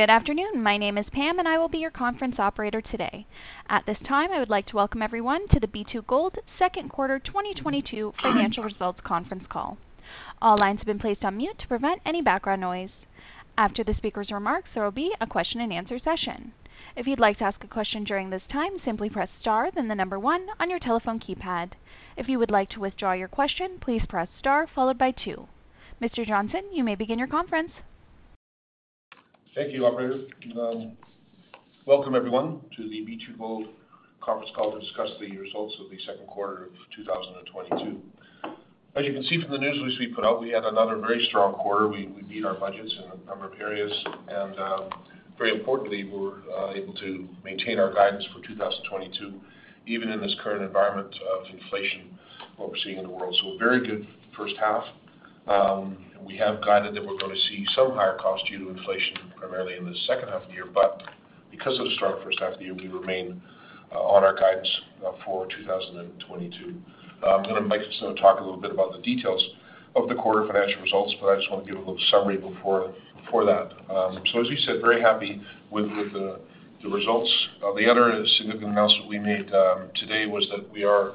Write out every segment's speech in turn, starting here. Good afternoon. My name is Pam, and I will be your conference operator today. At this time, I would like to welcome everyone to the B2Gold second quarter 2022 financial results conference call. All lines have been placed on mute to prevent any background noise. After the speaker's remarks, there will be a question-and-answer session. If you'd like to ask a question during this time, simply press star then the number one on your telephone keypad. If you would like to withdraw your question, please press star followed by two. Mr. Johnson, you may begin your conference. Thank you, operator. Welcome everyone to the B2Gold conference call to discuss the results of the second quarter of 2022. As you can see from the news release we put out, we had another very strong quarter. We beat our budgets in a number of areas, and very importantly, we were able to maintain our guidance for 2022, even in this current environment of inflation, what we're seeing in the world. A very good first half. We have guided that we're going to see some higher costs due to inflation, primarily in the second half of the year, but because of the strong first half of the year, we remain on our guidance for 2022. I'm gonna talk a little bit about the details of the quarter financial results, but I just want to give a little summary before that. As we said, very happy with the results. The other significant announcement we made today was that we are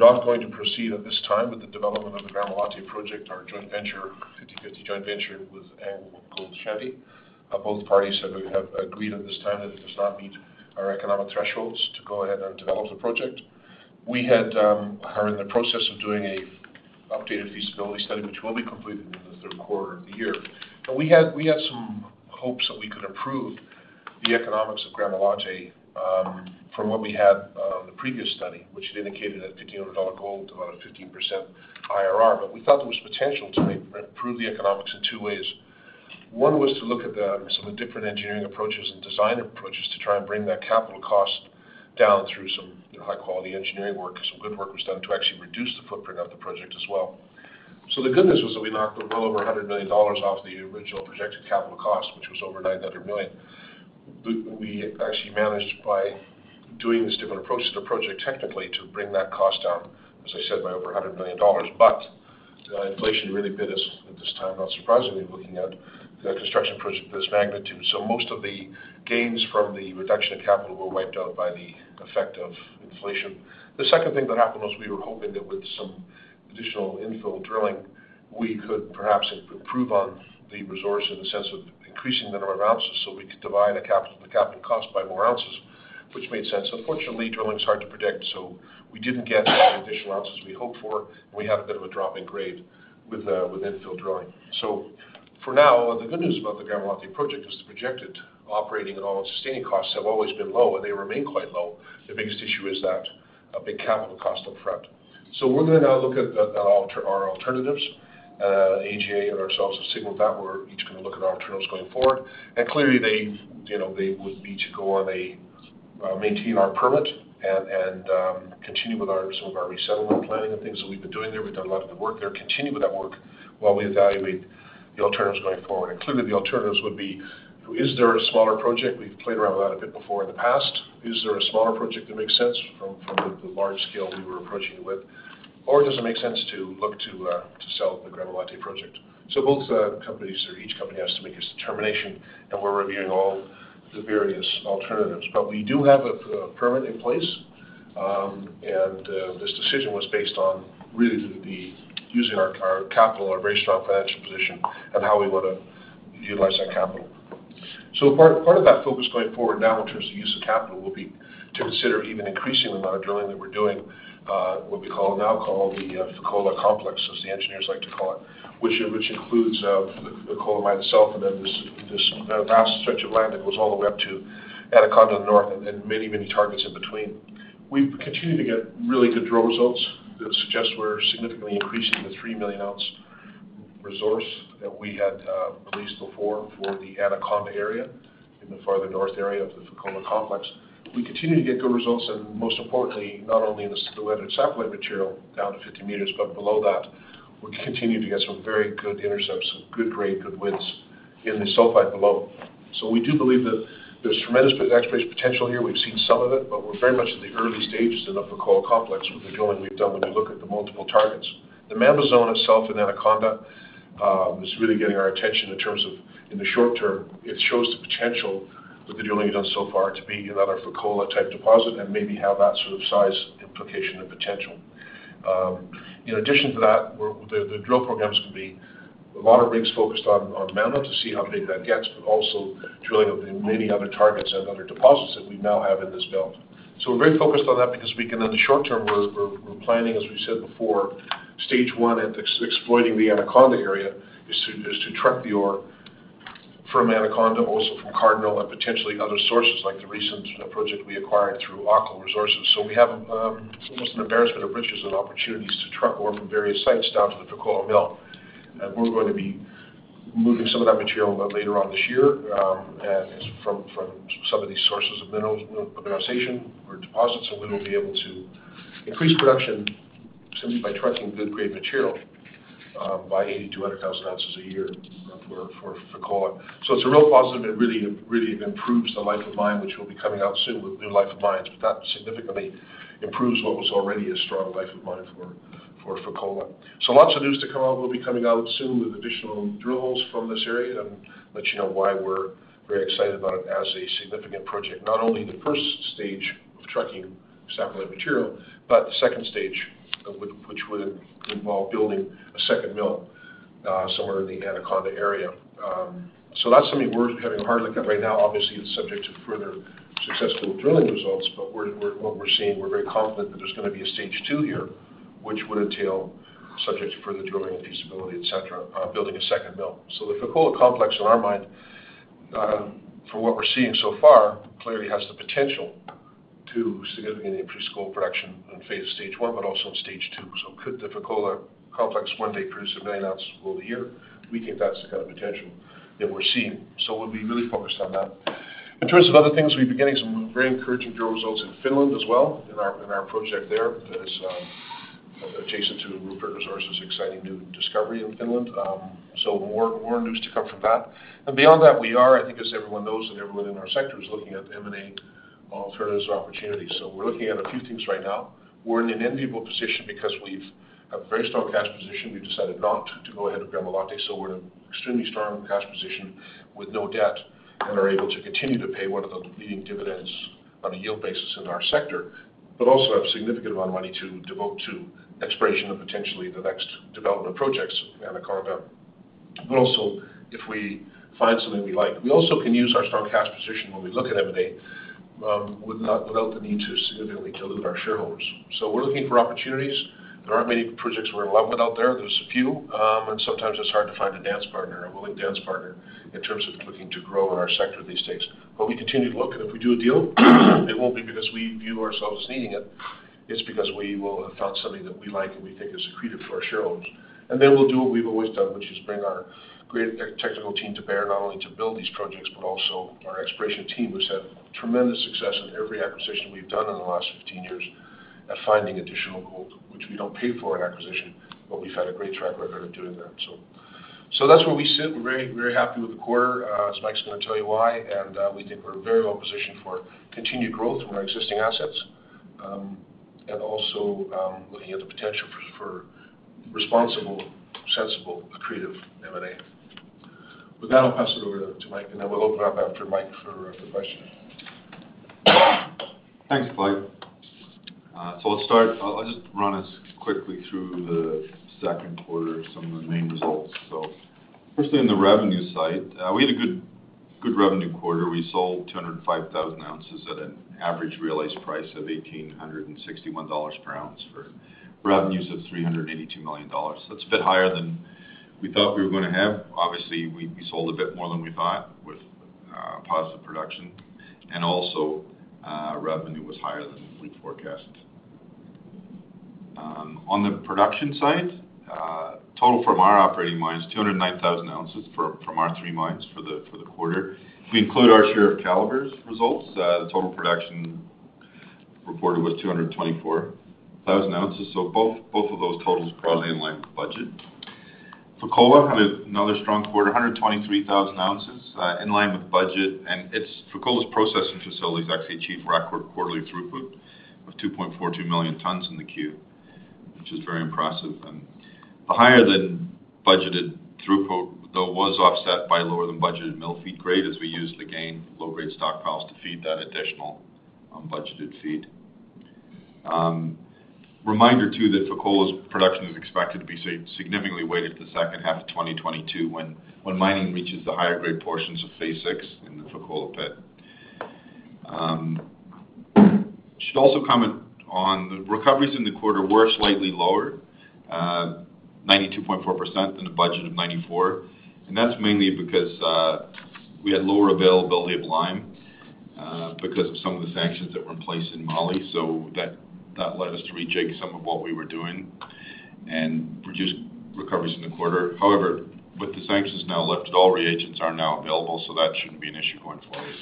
not going to proceed at this time with the development of the Gramalote Project, our 50/50 joint venture with AngloGold Ashanti. Both parties have agreed at this time that it does not meet our economic thresholds to go ahead and develop the project. We are in the process of doing an updated feasibility study, which will be completed in the third quarter of the year. We had some hopes that we could improve the economics of Gramalote from what we had the previous study, which had indicated that $1,500 gold, about a 15% IRR. We thought there was potential to improve the economics in two ways. One was to look at some of the different engineering approaches and design approaches to try and bring that capital cost down through some high-quality engineering work. Some good work was done to actually reduce the footprint of the project as well. The good news was that we knocked well over $100 million off the original projected capital cost, which was over $900 million. We actually managed by doing this different approach to the project technically to bring that cost down, as I said, by over $100 million. The inflation really bit us at this time, not surprisingly, looking at the construction project of this magnitude. Most of the gains from the reduction in capital were wiped out by the effect of inflation. The second thing that happened was we were hoping that with some additional infill drilling, we could perhaps improve on the resource in the sense of increasing the number of ounces so we could divide the capital cost by more ounces, which made sense. Unfortunately, drilling is hard to predict, so we didn't get the additional ounces we hoped for, and we had a bit of a drop in grade with infill drilling. For now, the good news about the Gramalote Project is the projected operating and all sustaining costs have always been low, and they remain quite low. The biggest issue is that a big capital cost upfront. We're gonna now look at our alternatives. AGA and ourselves have signaled that we're each gonna look at our alternatives going forward. Clearly, they would be to go on and maintain our permit and continue with some of our resettlement planning and things that we've been doing there. We've done a lot of the work there, continue with that work while we evaluate the alternatives going forward. Clearly, the alternatives would be, is there a smaller project? We've played around with that a bit before in the past. Is there a smaller project that makes sense from the large scale we were approaching it with? Or does it make sense to look to sell the Gramalote Project? Both companies or each company has to make its determination, and we're reviewing all the various alternatives. We do have a permit in place, and this decision was based on really the using our capital, our very strong financial position and how we wanna utilize that capital. Part of that focus going forward now in terms of use of capital will be to consider even increasing the amount of drilling that we're doing, what we call, now call the Fekola Complex, as the engineers like to call it, which includes Fekola by itself and then this vast stretch of land that goes all the way up to Anaconda North and many targets in between. We've continued to get really good drill results that suggest we're significantly increasing the 3,000,000 oz resource that we had placed before for the Anaconda Area in the farther north area of the Fekola Complex. We continue to get good results and most importantly, not only in the leach and saprolite material down to 50 m, but below that, we continue to get some very good intercepts, some good grade, good widths in the sulfide below. We do believe that there's tremendous exploration potential here. We've seen some of it, but we're very much at the early stages in the Fekola Complex with the drilling we've done when we look at the multiple targets. The Mamba Zone itself in Anaconda is really getting our attention in terms of the short term. It shows the potential with the drilling we've done so far to be another Fekola type deposit and maybe have that sort of size implication and potential. In addition to that, the drill programs could be a lot of rigs focused on Mamba to see how big that gets, but also drilling of the many other targets and other deposits that we now have in this belt. We're very focused on that because we can, in the short term, we're planning, as we said before, Stage 1 at exploiting the Anaconda Area is to truck the ore from Anaconda, also from Cardinal and potentially other sources like the recent project we acquired through Oklo Resources. We have almost an embarrassment of riches and opportunities to truck ore from various sites down to the Fekola mill. We're going to be moving some of that material a little later on this year, and from some of these sources of mineralization or deposits, and we will be able to increase production simply by trucking good grade material by 8,200,000 oz a year for Fekola. It's a real positive, and it really, really improves the life of mine, which will be coming out soon with new life of mines. That significantly improves what was already a strong life of mine for Fekola. Lots of news to come out. We'll be coming out soon with additional drill holes from this area and let you know why we're very excited about it as a significant project. Not only the first stage of trucking, sampling material, but the second stage of which would involve building a second mill, somewhere in the Anaconda Area. That's something we're having a hard look at right now. Obviously, it's subject to further successful drilling results, but what we're seeing, we're very confident that there's gonna be a Stage 2 here, which would entail subject to further drilling and feasibility, etc., building a second mill. The Fekola Complex in our mind, from what we're seeing so far, clearly has the potential to significantly increase gold production in Phase Stage 1, but also in Stage 2. Could the Fekola Complex one day produce 1,000,000 oz of gold a year? We think that's the kind of potential that we're seeing. We'll be really focused on that. In terms of other things, we've been getting some very encouraging drill results in Finland as well in our project there that is adjacent to Rupert Resources' exciting new discovery in Finland. More news to come from that. Beyond that, we are, I think as everyone knows, and everyone in our sector is looking at M&A alternatives or opportunities. We're looking at a few things right now. We're in an enviable position because we've a very strong cash position. We've decided not to go ahead with Gramalote, we're in an extremely strong cash position with no debt and are able to continue to pay one of the leading dividends on a yield basis in our sector, but also have a significant amount of money to devote to exploration and potentially the next development projects at Anaconda. Also, if we find something we like, we also can use our strong cash position when we look at M&A, without the need to significantly dilute our shareholders. We're looking for opportunities. There aren't many projects we're in love with out there. There's a few, and sometimes it's hard to find a dance partner, a willing dance partner in terms of looking to grow in our sector these days. We continue to look, and if we do a deal, it won't be because we view ourselves as needing it. It's because we will have found something that we like, and we think is accretive for our shareholders. We'll do what we've always done, which is bring our great tech, technical team to bear, not only to build these projects, but also our exploration team, which had tremendous success in every acquisition we've done in the last 15 years at finding additional gold, which we don't pay for in acquisition, but we've had a great track record of doing that. That's where we sit. We're very, very happy with the quarter, as Mike's gonna tell you why. We think we're very well positioned for continued growth from our existing assets, and also looking at the potential for responsible, sensible, accretive M&A. With that, I'll pass it over to Mike, and then we'll open it up after Mike for questions. Thanks, Clive. I'll just run us quickly through the second quarter, some of the main results. Firstly, on the revenue side, we had a good revenue quarter. We sold 205,000 oz at an average realized price of $1,861 per ounce for revenues of $382 million. That's a bit higher than we thought we were gonna have. Obviously, we sold a bit more than we thought with positive production. Revenue was higher than we'd forecast. On the production side, total from our operating mines, 209,000 oz from our three mines for the quarter. If we include our share of Calibre's results, the total production reported was 224,000 oz. Both of those totals are broadly in line with budget. Fekola had another strong quarter, 123,000 oz in line with budget. Fekola's processing facilities actually achieved record quarterly throughput of 2.42 million tons in the quarter, which is very impressive. The higher than budgeted throughput, though, was offset by lower than budgeted mill feed grade as we used the ganging of low-grade stockpiles to feed that additional budgeted feed. Reminder, too, that Fekola's production is expected to be significantly weighted to the second half of 2022 when mining reaches the higher grade portions of Phase 6 in the Fekola pit. Should also comment on the recoveries in the quarter were slightly lower, 92.4% than the budget of 94%. That's mainly because we had lower availability of lime because of some of the sanctions that were in place in Mali. That led us to rejig some of what we were doing and reduced recoveries in the quarter. However, with the sanctions now lifted, all reagents are now available, so that shouldn't be an issue going forward.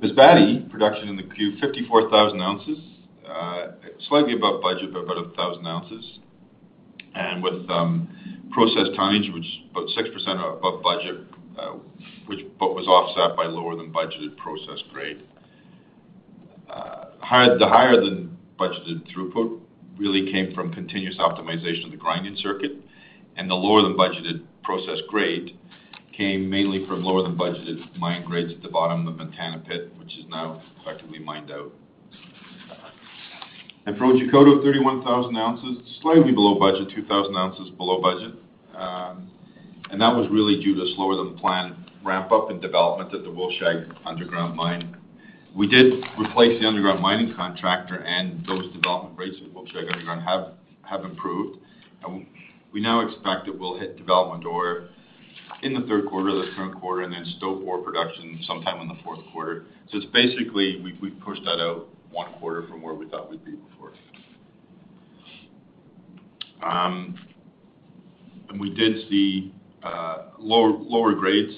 Masbate production in the quarter, 54,000 oz, slightly above budget by about 1,000 oz. With processed tonnage, which about 6% above budget, but was offset by lower than budgeted process grade. The higher than budgeted throughput really came from continuous optimization of the grinding circuit, and the lower than budgeted process grade came mainly from lower than budgeted mine grades at the bottom of Montana pit, which is now effectively mined out. For Otjikoto, 31,000 oz, slightly below budget, 2,000 oz below budget. That was really due to slower than planned ramp up in development at the Wolfshag underground mine. We did replace the underground mining contractor, and those development rates at Wolfshag underground have improved. We now expect that we'll hit development ore in the third quarter of this current quarter and then stope ore production sometime in the fourth quarter. It's basically we've pushed that out one quarter from where we thought we'd be before. We did see lower grades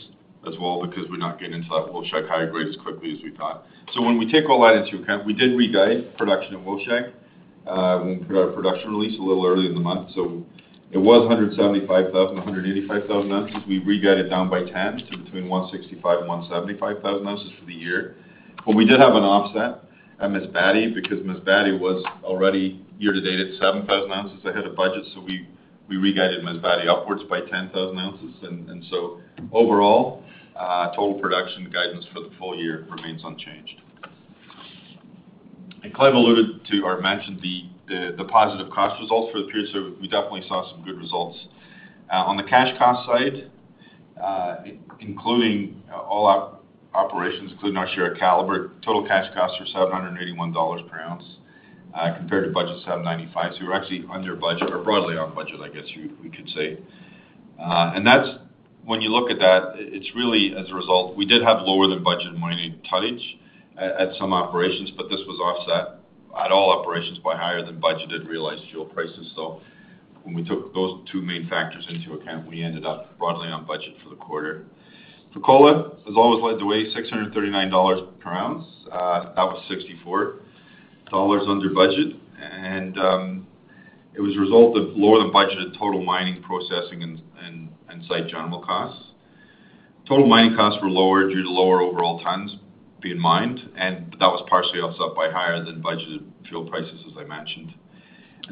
as well because we're not getting into that Wolfshag higher grade as quickly as we thought. When we take all that into account, we did re-guide production in Wolfshag when we put out a production release a little earlier in the month. It was 175,000 oz-185,000 oz. We re-guided down by 10 to between 165,000 oz and 175,000 oz for the year. We did have an offset at Masbate because Masbate was already year to date at 7,000 oz ahead of budget. We re-guided Masbate upwards by 10,000 oz. Total production guidance for the full year remains unchanged. Clive alluded to or mentioned the positive cost results for the period, so we definitely saw some good results. On the cash cost side, including all operations, including our share at Calibre, total cash costs are $781 per ounce, compared to budget $795. We're actually under budget or broadly on budget, I guess we could say. And that's. When you look at that, it's really as a result, we did have lower than budgeted mining tonnage at some operations, but this was offset at all operations by higher than budgeted realized fuel prices. When we took those two main factors into account, we ended up broadly on budget for the quarter. Fekola has always led the way, $639 per ounce. That was $64 under budget. It was a result of lower than budgeted total mining, processing, and site general costs. Total mining costs were lower due to lower overall tons being mined, and that was partially offset by higher than budgeted fuel prices, as I mentioned.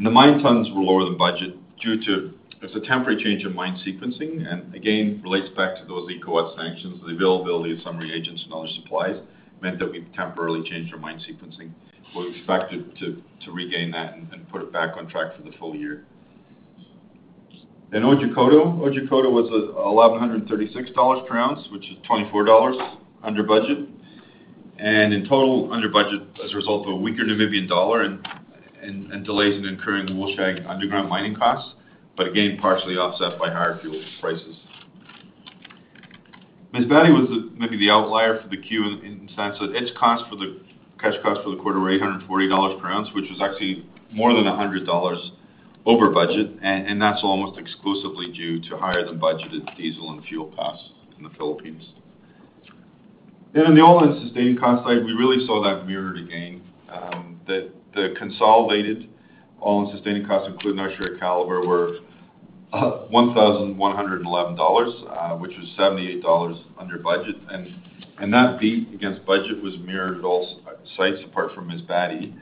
The mine tons were lower than budget due to a temporary change in mine sequencing, and again, relates back to those ECOWAS sanctions. The availability of some reagents and other supplies meant that we temporarily changed our mine sequencing. We expect it to regain that and put it back on track for the full year. Otjikoto. Otjikoto was $1,136 per ounce, which is $24 under budget. In total under budget as a result of a weaker Namibian dollar and delays in incurring the Wolfshag underground mining costs, but again, partially offset by higher fuel prices. Masbate was maybe the outlier for the quarter in the sense that cash cost for the quarter were $840 per ounce, which was actually more than $100 over budget, and that's almost exclusively due to higher than budgeted diesel and fuel costs in the Philippines. On the all-in sustaining cost side, we really saw that mirror again, that the consolidated all-in sustaining costs, including our share at Calibre, were $1,111, which was $78 under budget. That beat against budget was mirrored at all sites apart from Masbate.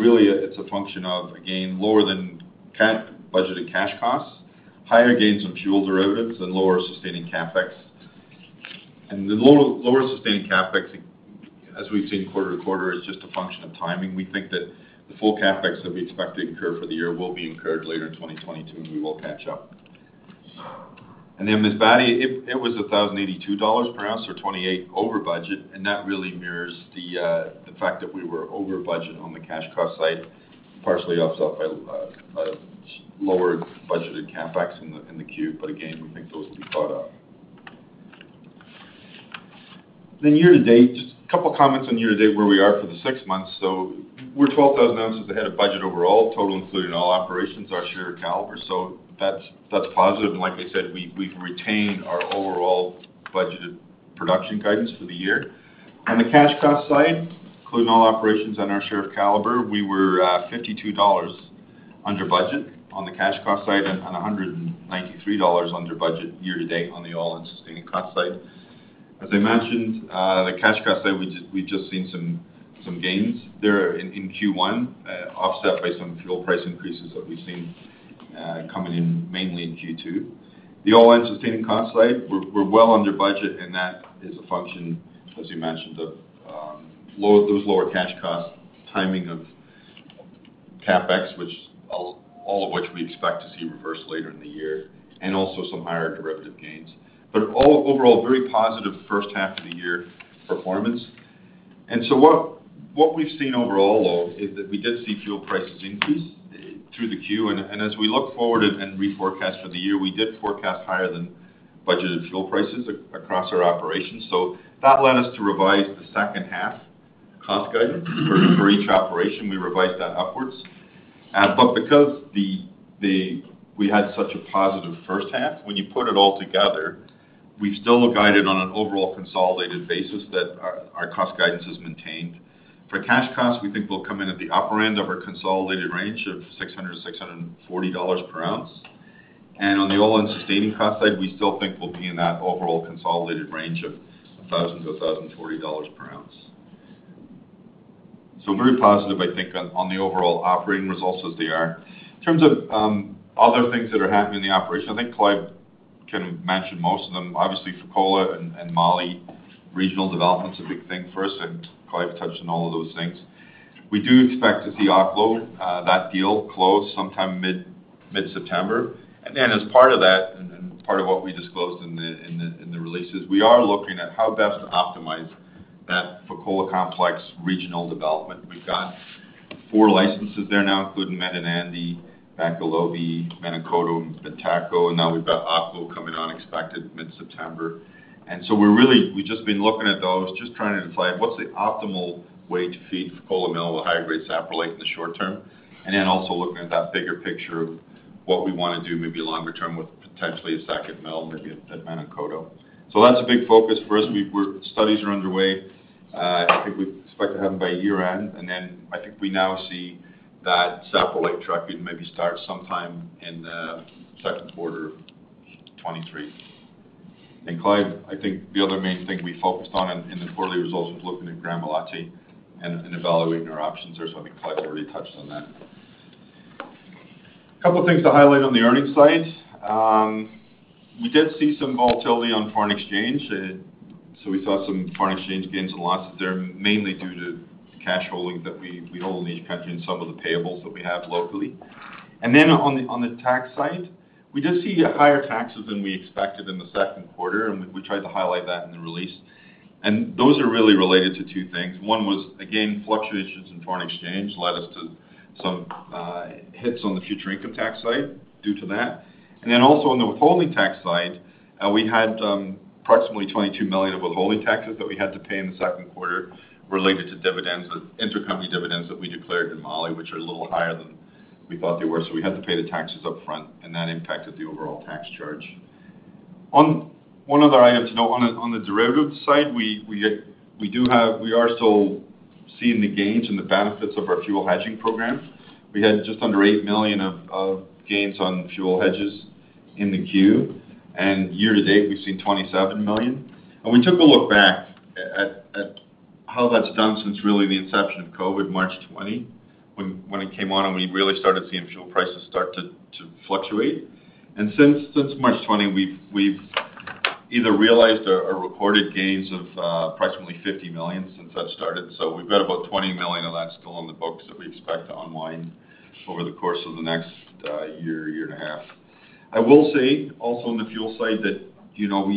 Really, it's a function of, again, lower than budgeted cash costs, higher gains on fuel derivatives, and lower sustaining CapEx. The lower sustained CapEx, as we've seen quarter-over-quarter, is just a function of timing. We think that the full CapEx that we expect to incur for the year will be incurred later in 2022, and we will catch up. Masbate, it was $1,082 per ounce or $28 over budget, and that really mirrors the fact that we were over budget on the cash cost side, partially offset by lower budgeted CapEx in the Q. Again, we think those will be caught up. Year to date, just a couple of comments on year to date, where we are for the six months. We're 12,000 oz ahead of budget overall, total including all operations, our share of Calibre. That's positive. Like I said, we've retained our overall budgeted production guidance for the year. On the cash cost side, including all operations on our share of Calibre, we were $52 under budget on the cash cost side and $193 under budget year to date on the all-in sustaining cost side. As I mentioned, the cash cost side, we just we've just seen some gains there in Q1, offset by some fuel price increases that we've seen coming in mainly in Q2. The all-in sustaining cost side, we're well under budget, and that is a function, as you mentioned, of those lower cash costs, timing of CapEx, all of which we expect to see reverse later in the year, and also some higher derivative gains. Overall, very positive first half of the year performance. What we've seen overall, though, is that we did see fuel prices increase through the Q. As we look forward and reforecast for the year, we did forecast higher than budgeted fuel prices across our operations. That led us to revise the second half cost guidance for each operation. We revised that upwards. But because we had such a positive first half, when you put it all together, we've still guided on an overall consolidated basis that our cost guidance is maintained. For cash costs, we think we'll come in at the upper end of our consolidated range of $600-$640 per ounce. And on the all-in sustaining cost side, we still think we'll be in that overall consolidated range of $1,000-$1,040 per ounce. Very positive, I think, on the overall operating results as they are. In terms of other things that are happening in the operation, I think Clive kind of mentioned most of them. Obviously, Fekola and Mali regional development is a big thing for us, and Clive touched on all of those things. We do expect to see Oklo that deal close sometime mid-September. As part of that and part of what we disclosed in the releases, we are looking at how best to optimize that Fekola Complex regional development. We've got four licenses there now, including Medinandi, Bakolobi, Menankoto, Bantako, and now we've got Oklo coming expected mid-September. We're really. We've just been looking at those, just trying to decide what's the optimal way to feed Fekola mill with high-grade saprolite in the short term, and then also looking at that bigger picture of what we want to do maybe longer term with potentially a second mill, maybe at Menankoto. That's a big focus for us. Studies are underway. I think we expect to have them by year-end, and then I think we now see that saprolite truck could maybe start sometime in second quarter of 2023. Clive, I think the other main thing we focused on in the quarterly results was looking at Gramalote and evaluating our options there. I think Clive already touched on that. A couple of things to highlight on the earnings side. We did see some volatility on foreign exchange. We saw some foreign exchange gains and losses there, mainly due to cash holdings that we hold in each country and some of the payables that we have locally. On the tax side, we did see higher taxes than we expected in the second quarter, and we tried to highlight that in the release. Those are really related to two things. One was, again, fluctuations in foreign exchange led us to some hits on the future income tax side due to that. On the withholding tax side, we had approximately $22 million of withholding taxes that we had to pay in the second quarter related to dividends, intercompany dividends that we declared in Mali, which are a little higher than we thought they were. We had to pay the taxes up front, and that impacted the overall tax charge. One other item to note, on the derivative side, we are still seeing the gains and the benefits of our fuel hedging program. We had just under $8 million of gains on fuel hedges in the Q. Year to date, we've seen $27 million. We took a look back at how that's done since really the inception of COVID, March 2020, when it came on and we really started seeing fuel prices start to fluctuate. Since March 2020, we've either realized or recorded gains of approximately $50 million since that started. We've got about $20 million of that still on the books that we expect to unwind over the course of the next year and a half. I will say also on the fuel side that, you know,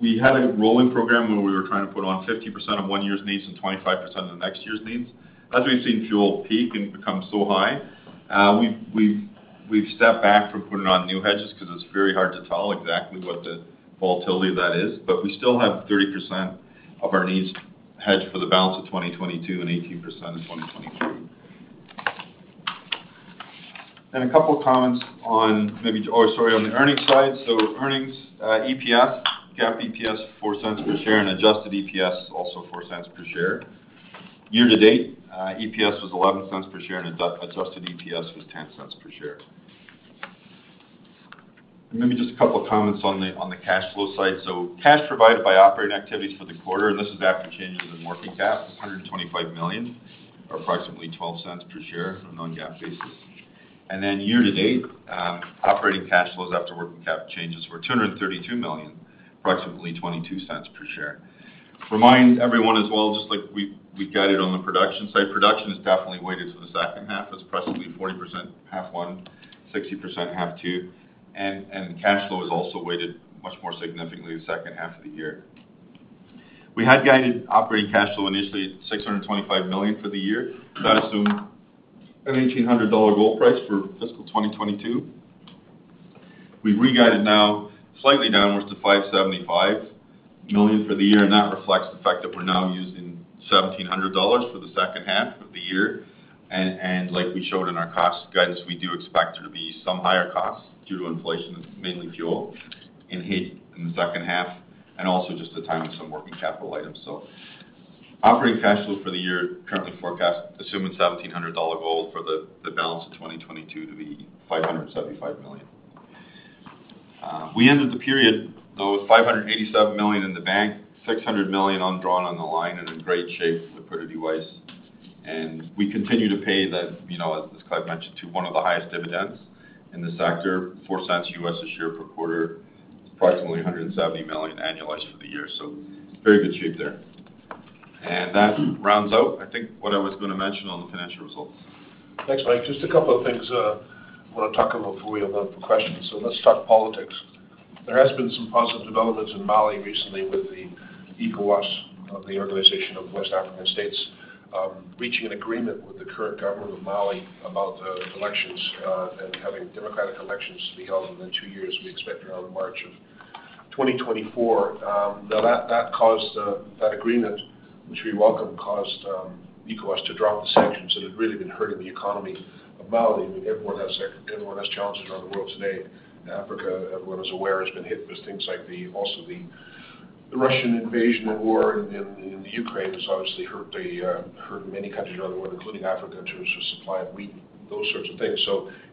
we had a rolling program where we were trying to put on 50% of one year's needs and 25% of the next year's needs. As we've seen fuel peak and become so high, we've stepped back from putting on new hedges because it's very hard to tell exactly what the volatility of that is. We still have 30% of our needs hedged for the balance of 2022 and 18% in 2023. A couple of comments on the earnings side. Earnings, EPS, GAAP EPS, $0.04 per share and adjusted EPS, also $0.04 per share. Year to date, EPS was $0.11 per share and adjusted EPS was $0.10 per share. Maybe just a couple of comments on the cash flow side. Cash provided by operating activities for the quarter, and this is after changes in working capital, was $125 million, or approximately $0.12 per share on non-GAAP basis. Year to date, operating cash flows after working capital changes were $232 million, approximately $0.22 per share. Remind everyone as well, just like we guided on the production side, production is definitely weighted to the second half. It's presently 40% half one, 60% half two. Cash flow is also weighted much more significantly the second half of the year. We had guided operating cash flow initially at $625 million for the year. That assumed an $1,800 gold price for fiscal 2022. We've re-guided now slightly downwards to $575 million for the year, and that reflects the fact that we're now using $1,700 for the second half of the year. Like we showed in our cost guidance, we do expect there to be some higher costs due to inflation, mainly fuel, in the second half, and also just the timing of some working capital items. Operating cash flow for the year currently forecast, assuming $1,700 gold for the balance of 2022 to be $575 million. We ended the period, though, with $587 million in the bank, $600 million undrawn on the line and in great shape liquidity-wise. We continue to pay, you know, as Clive mentioned, one of the highest dividends in the sector, $0.04 per share per quarter, approximately $170 million annualized for the year. Very good shape there. That rounds out, I think, what I was gonna mention on the financial results. Thanks, Mike. Just a couple of things I want to talk about before we open up for questions. Let's talk politics. There has been some positive developments in Mali recently with the ECOWAS, the Economic Community of West African States, reaching an agreement with the current government of Mali about elections and having democratic elections to be held within two years, we expect around March of 2024. Now, that agreement, which we welcome, caused ECOWAS to drop the sanctions that had really been hurting the economy of Mali. I mean, everyone has challenges around the world today. In Africa, everyone is aware, has been hit with things like the Russian invasion and war in Ukraine has obviously hurt many countries around the world, including Africa, in terms of supply of wheat, those sorts of things.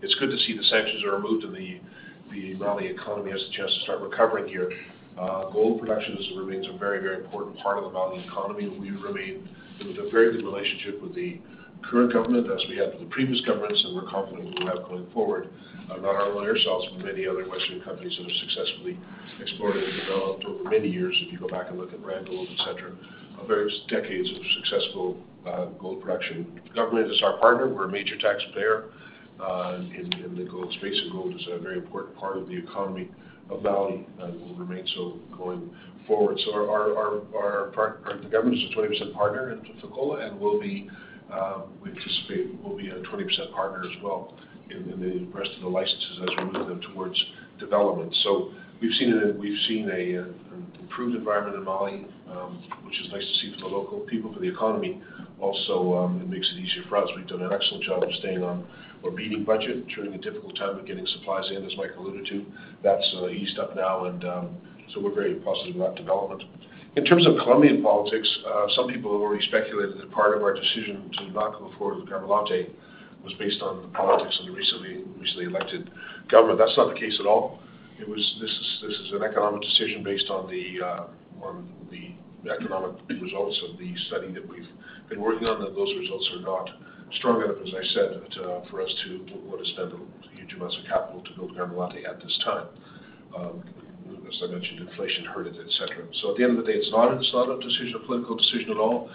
It's good to see the sanctions are removed and the Mali economy has a chance to start recovering here. Gold production remains a very important part of the Mali economy. We remain with a very good relationship with the current government as we had with the previous governments, and we're confident we will have going forward. Not only ourselves, but many other Western companies that have successfully explored and developed over many years, if you go back and look at Randgold, et cetera, various decades of successful gold production. Government is our partner. We're a major taxpayer in the gold space, and gold is a very important part of the economy of Mali and will remain so going forward. Our partner, the government, is a 20% partner in Fekola and will be, we anticipate, will be a 20% partner as well in the rest of the licenses as we move them towards development. We've seen an improved environment in Mali, which is nice to see for the local people, for the economy. Also, it makes it easier for us. We've done an excellent job of staying on or beating budget during a difficult time of getting supplies in, as Mike alluded to. That's eased up now and we're very positive about development. In terms of Colombian politics, some people have already speculated that part of our decision to not go forward with Gramalote was based on the politics and the recently elected government. That's not the case at all. This is an economic decision based on the economic results of the study that we've been working on, that those results are not strong enough, as I said, for us to want to spend huge amounts of capital to build Gramalote at this time. As I mentioned, inflation hurt it, et cetera. At the end of the day, it's not a political decision at all.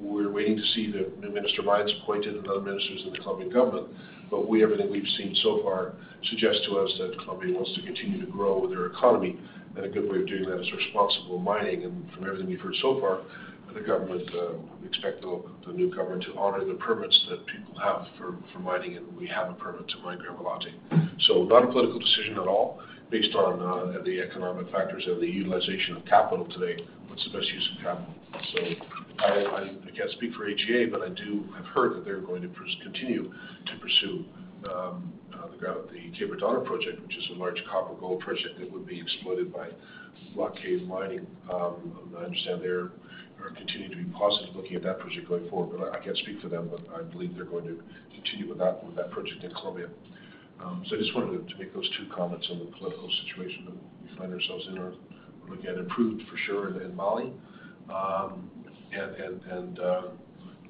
We're waiting to see the new Minister of Mines appointed and other ministers in the Colombian government. Everything we've seen so far suggests to us that Colombia wants to continue to grow their economy, and a good way of doing that is responsible mining. From everything we've heard so far, the government, we expect the new government to honor the permits that people have for mining, and we have a permit to mine Gramalote. Not a political decision at all, based on the economic factors and the utilization of capital today, what's the best use of capital. I can't speak for AGA, but I've heard that they're going to continue to pursue the Quebradona Project, which is a large copper gold project that would be exploited by block cave mining. I understand they're continuing to be positive looking at that project going forward. I can't speak for them, but I believe they're going to continue with that project in Colombia. I just wanted to make those two comments on the political situation that we find ourselves in is looking improved for sure in Mali and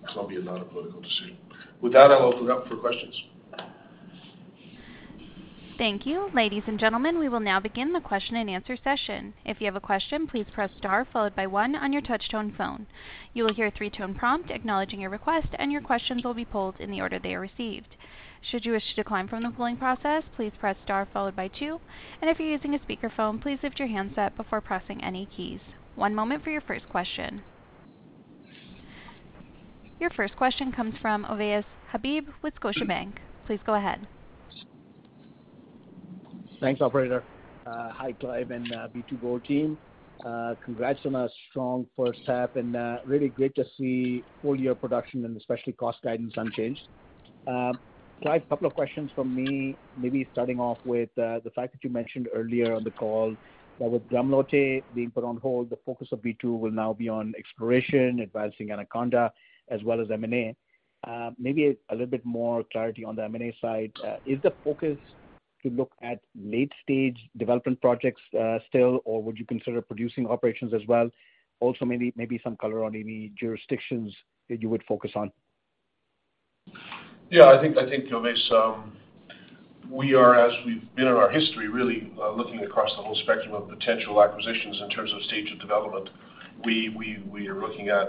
Colombia, not a political decision. With that, I'll open it up for questions. Thank you. Ladies and gentlemen, we will now begin the question-and-answer session. If you have a question, please press star followed by one on your touchtone phone. You will hear a three-tone prompt acknowledging your request, and your questions will be pulled in the order they are received. Should you wish to decline from the polling process, please press star followed by two. If you're using a speakerphone, please lift your handset before pressing any keys. One moment for your first question. Your first question comes from Ovais Habib with Scotiabank. Please go ahead. Thanks, operator. Hi, Clive and B2Gold team. Congrats on a strong first half, and really great to see full year production and especially cost guidance unchanged. Clive, couple of questions from me, maybe starting off with the fact that you mentioned earlier on the call that with Gramalote being put on hold, the focus of B2 will now be on exploration, advancing Anaconda, as well as M&A. Maybe a little bit more clarity on the M&A side. Is the focus to look at late-stage development projects still, or would you consider producing operations as well? Also, some color on any jurisdictions that you would focus on. Yeah, I think, Ovais, we are, as we've been in our history, really looking across the whole spectrum of potential acquisitions in terms of stage of development. We are looking at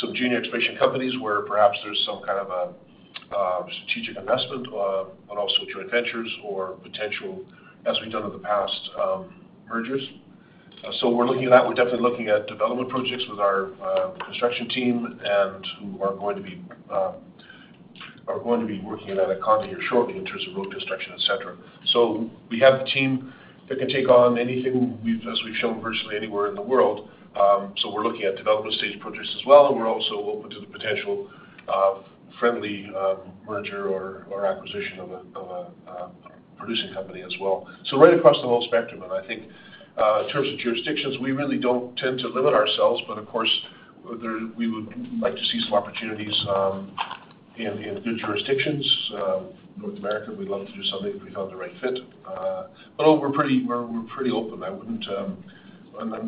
some junior exploration companies where perhaps there's some kind of a strategic investment, but also joint ventures or potential, as we've done in the past, mergers. So we're looking at that. We're definitely looking at development projects with our construction team and who are going to be working at Anaconda here shortly in terms of road construction, et cetera. We have the team that can take on anything we've, as we've shown virtually anywhere in the world. We're looking at development stage projects as well, and we're also open to the potential of friendly merger or acquisition of a producing company as well. Right across the whole spectrum. I think in terms of jurisdictions, we really don't tend to limit ourselves, but of course, we would like to see some opportunities in good jurisdictions. North America, we'd love to do something if we found the right fit. But we're pretty open. I wouldn't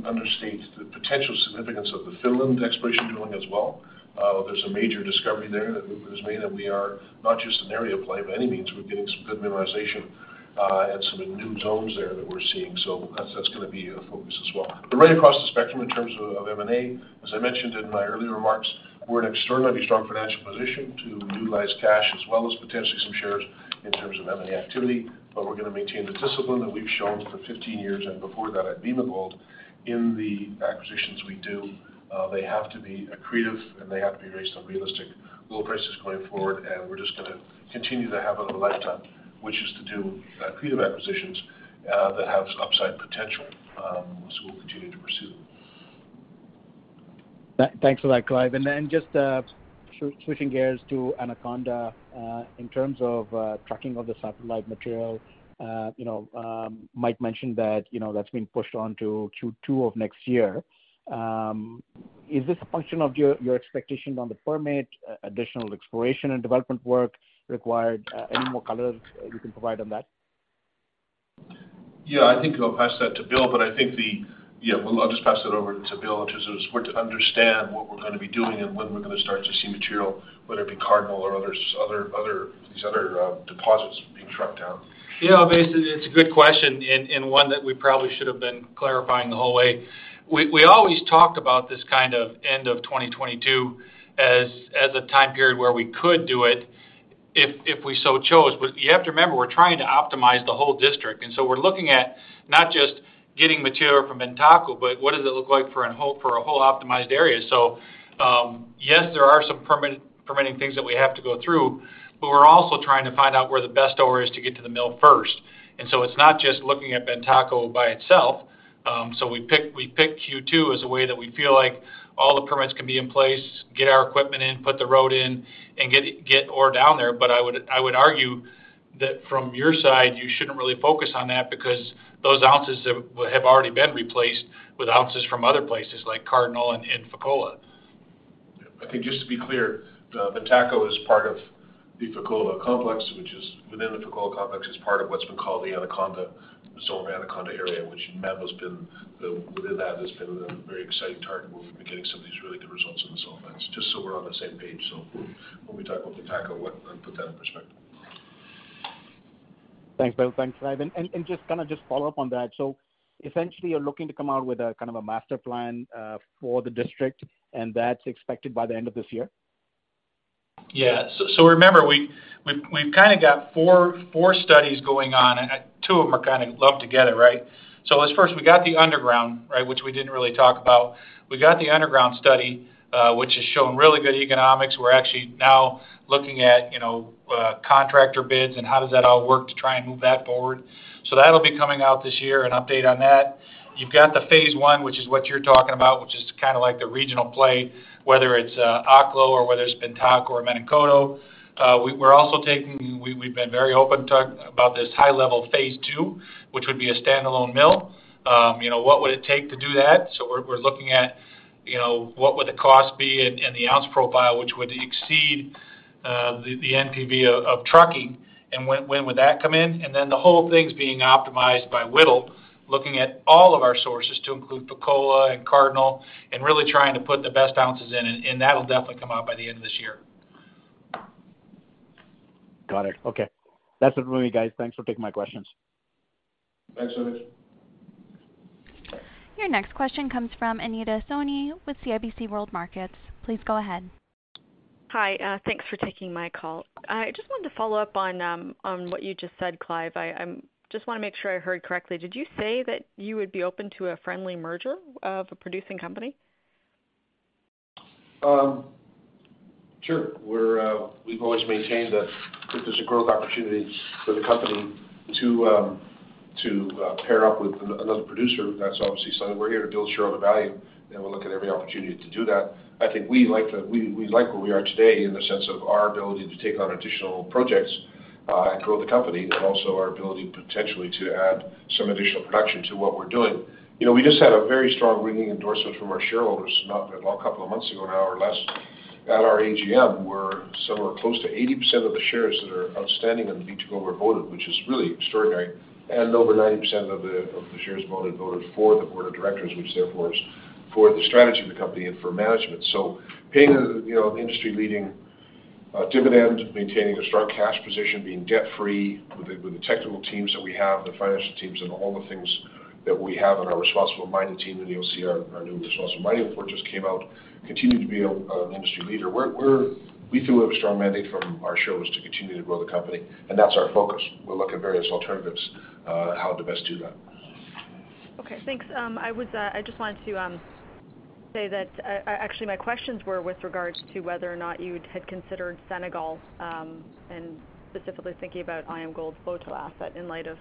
understate the potential significance of the Finland exploration drilling as well. There's a major discovery there that was made, and we are not just an area play by any means. We're getting some good mineralization and some new zones there that we're seeing. That's gonna be a focus as well. Right across the spectrum in terms of M&A, as I mentioned in my earlier remarks, we're in extremely strong financial position to utilize cash as well as potentially some shares in terms of M&A activity, but we're gonna maintain the discipline that we've shown for 15 years and before that at Bema Gold in the acquisitions we do. They have to be accretive, and they have to be based on realistic gold prices going forward, and we're just gonna continue the habit of a lifetime, which is to do accretive acquisitions, that have upside potential, so we'll continue to pursue them. Thanks for that, Clive. Then just switching gears to Anaconda, in terms of tracking of the satellite material, you know, Mike mentioned that, you know, that's been pushed on to Q2 of next year. Is this a function of your expectations on the permit, additional exploration and development work required? Any more color you can provide on that? Yeah. I think I'll pass that to Bill, but I think yeah, well, I'll just pass it over to Bill in terms of it's important to understand what we're gonna be doing and when we're gonna start to see material, whether it be Cardinal or these other deposits being tracked down. Yeah. Ovais, it's a good question and one that we probably should have been clarifying the whole way. We always talk about this, kind of, end of 2022 as a time period where we could do it if we so chose. You have to remember, we're trying to optimize the whole district, and we're looking at not just getting material from Bantako, but what does it look like for a whole optimized area. Yes, there are some permitting things that we have to go through, but we're also trying to find out where the best ore is to get to the mill first. It's not just looking at Bantako by itself. We picked Q2 as a way that we feel like all the permits can be in place, get our equipment in, put the road in, and get ore down there. I would argue that from your side, you shouldn't really focus on that because those ounces have already been replaced with ounces from other places like Cardinal and Fekola. I think just to be clear, the Bantako is part of the Fekola Complex, which is part of what's been called the Anaconda zone or Anaconda Area, which Mamba's been within that has been a very exciting target where we've been getting some of these really good results in the zone. That's just so we're on the same page. When we talk about Bantako, put that in perspective. Thanks, Bill. Thanks, Clive. Just kind of just follow up on that. Essentially, you're looking to come out with a kind of a master plan for the district, and that's expected by the end of this year? Yeah. Remember, we've kinda got four studies going on, and two of them are kind of lumped together, right? Let's first, we got the underground, right, which we didn't really talk about. We got the underground study, which has shown really good economics. We're actually now looking at, you know, contractor bids and how does that all work to try and move that forward. That'll be coming out this year, an update on that. You've got the Phase 1, which is what you're talking about, which is kinda like the regional play, whether it's Oklo or whether it's Bantako or Menankoto. We've been very open talking about this high-level Phase 2, which would be a standalone mill. You know, what would it take to do that? We're looking at, you know, what would the cost be and the ounce profile, which would exceed the NPV of trucking and when would that come in. Then the whole thing's being optimized by Whittle, looking at all of our sources to include Fekola and Cardinal and really trying to put the best ounces in. That'll definitely come out by the end of this year. Got it. Okay. That's it for me, guys. Thanks for taking my questions. Thanks, Ovais. Your next question comes from Anita Soni with CIBC World Markets. Please go ahead. Hi. Thanks for taking my call. I just wanted to follow up on what you just said, Clive. I just wanna make sure I heard correctly. Did you say that you would be open to a friendly merger of a producing company? Sure. We've always maintained that if there's a growth opportunity for the company to pair up with another producer, that's obviously something we're here to build shareholder value, and we'll look at every opportunity to do that. I think we like where we are today in the sense of our ability to take on additional projects and grow the company, but also our ability potentially to add some additional production to what we're doing. You know, we just had a very strong ringing endorsement from our shareholders not that long, a couple of months ago now or less, at our AGM, where somewhere close to 80% of the shares that are outstanding were voted, which is really extraordinary. Over 90% of the shares voted for the board of directors, which therefore is for the strategy of the company and for management. Paying the, you know, the industry-leading dividend, maintaining a strong cash position, being debt-free with the technical teams that we have, the financial teams, and all the things that we have on our responsible mining team, and you'll see our new responsible mining report just came out, continuing to be an industry leader. We feel we have a strong mandate from our shareholders to continue to grow the company, and that's our focus. We'll look at various alternatives, how to best do that. Okay, thanks. I just wanted to say that actually my questions were with regards to whether or not you had considered Senegal, and specifically thinking about IAMGOLD's Boto asset in light of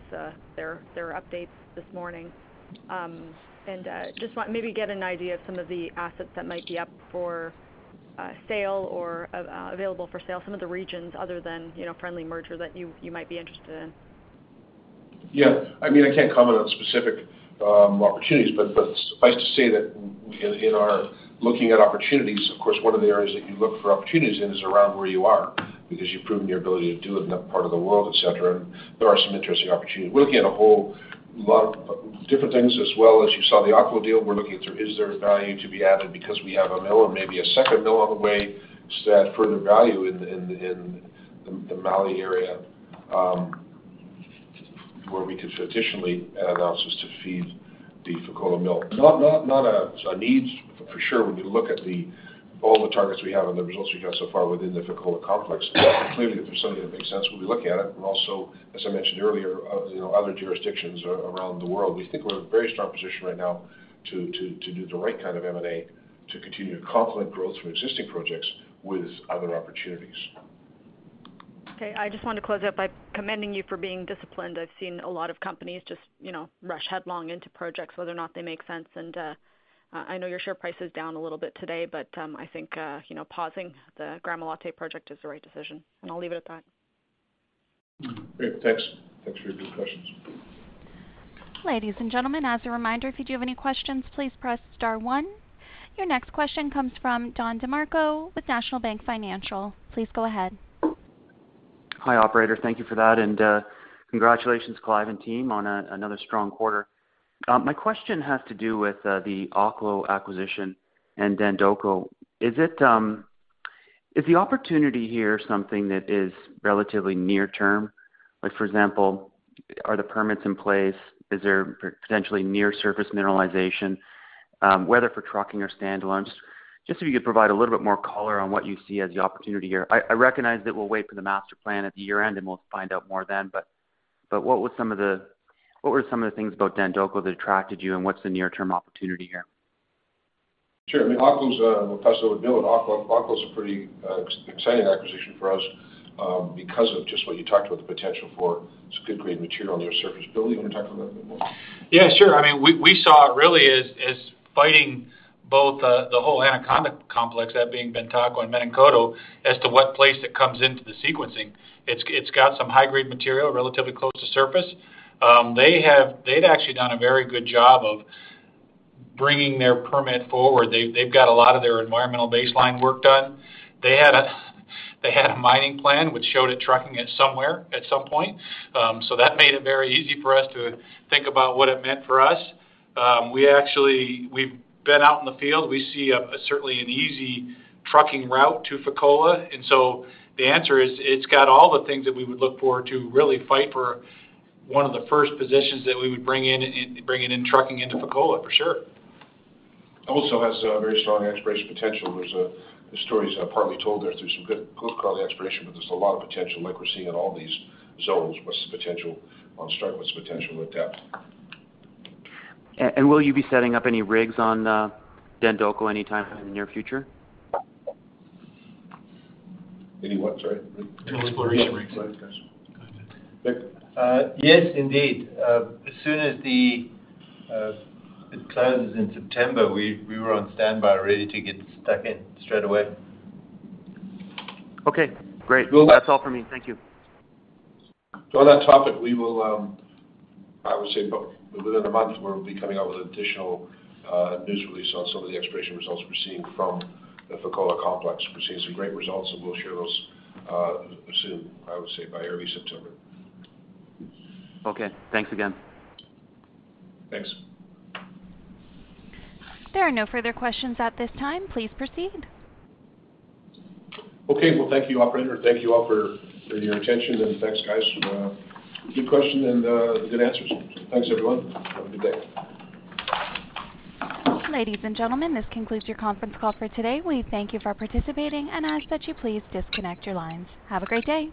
their updates this morning. Just want maybe get an idea of some of the assets that might be up for sale or available for sale, some of the regions other than, you know, friendly merger that you might be interested in. Yeah. I mean, I can't comment on specific opportunities, but suffice to say that in our looking at opportunities, of course, one of the areas that you look for opportunities in is around where you are because you've proven your ability to do it in that part of the world, et cetera, and there are some interesting opportunities. We're looking at a whole lot of different things as well. As you saw the Oklo deal, we're looking to see if there is value to be added because we have a mill or maybe a second mill on the way to add further value in the Mali area, where we could traditionally add ounces to feed the Fekola mill. Not a need for sure when you look at all the targets we have and the results we've had so far within the Fekola Complex. Clearly, if there's something that makes sense, we'll be looking at it. Also, as I mentioned earlier, you know, other jurisdictions around the world. We think we're in a very strong position right now to do the right kind of M&A to continue to complement growth from existing projects with other opportunities. Okay. I just wanted to close up by commending you for being disciplined. I've seen a lot of companies just, you know, rush headlong into projects whether or not they make sense. I know your share price is down a little bit today, but, I think, you know, pausing the Gramalote Project is the right decision, and I'll leave it at that. Great. Thanks. Thanks for your good questions. Ladies and gentlemen, as a reminder, if you do have any questions, please press star one. Your next question comes from Don DeMarco with National Bank Financial. Please go ahead. Hi, operator. Thank you for that, and congratulations, Clive and team, on another strong quarter. My question has to do with the Oklo acquisition and Dandoko. Is the opportunity here something that is relatively near term? Like, for example, are the permits in place? Is there potentially near surface mineralization, whether for trucking or standalone? Just if you could provide a little bit more color on what you see as the opportunity here. I recognize that we'll wait for the master plan at the year-end, and we'll find out more then. But what were some of the things about Dandoko that attracted you, and what's the near-term opportunity here? Sure. I mean, Don DeMarco would know that Oklo's a pretty exciting acquisition for us, because of just what you talked about, the potential for some good grade material near surface. Bill, you wanna talk about it a bit more? Yeah, sure. I mean, we saw it really as fighting both the whole Anaconda complex, that being Bantako and Menankoto, as to what place it comes into the sequencing. It's got some high-grade material relatively close to surface. They'd actually done a very good job of bringing their permit forward. They've got a lot of their environmental baseline work done. They had a mining plan which showed it trucking somewhere at some point. So that made it very easy for us to think about what it meant for us. We've been out in the field. We see, certainly, an easy trucking route to Fekola. The answer is it's got all the things that we would look for to really fight for one of the first positions that we would bring it in trucking into Fekola for sure. Also has a very strong exploration potential. There's the story is partly told there through some good. Will you be setting up any rigs on Dandoko anytime in the near future? Any what, sorry? Any exploration rigs. Right. Gotcha. Vic? Yes, indeed. As soon as it closes in September, we were on standby ready to get stuck in straight away. Okay, great. We will- That's all for me. Thank you. On that topic, we will, I would say about within a month, we'll be coming out with additional, news release on some of the exploration results we're seeing from the Fekola Complex. We're seeing some great results, and we'll share those, soon, I would say by early September. Okay, thanks again. Thanks. There are no further questions at this time. Please proceed. Okay. Well, thank you, operator. Thank you all for your attention, and thanks, guys for the good question and the good answers. Thanks, everyone. Have a good day. Ladies and gentlemen, this concludes your conference call for today. We thank you for participating and ask that you please disconnect your lines. Have a great day.